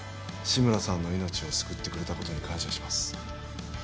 志村さんの命を救ってくれたことに感謝します